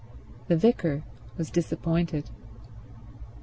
The vicar was disappointed.